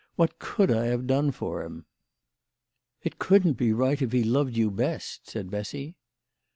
"What could I have done for him ?" "It couldn't be right if he loved you best," said Bessy.